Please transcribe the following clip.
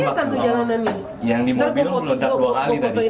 papa jalan yang di mobil mereka dua kali tadi